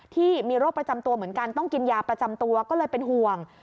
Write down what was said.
ที่มีโรคประจำตัวเหมือนกันต้องกินยาประจำตัวก็เลยเป็นห่วง